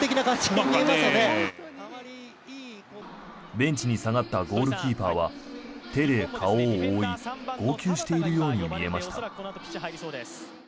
ベンチに下がったゴールキーパーは手で顔を覆い号泣しているように見えました。